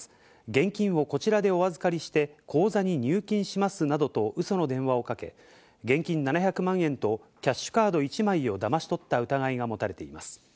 現金をこちらでお預かりして口座に入金しますなどとウソの電話をかけ、現金７００万円とキャッシュカード１枚をだまし取った疑いが持たれています。